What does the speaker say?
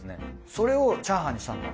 それをチャーハンにしたんだ。